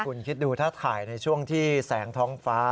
คุณคิดดูถ้าถ่ายในช่วงที่แสงท้องฟ้า